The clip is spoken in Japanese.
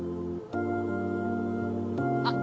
あっ！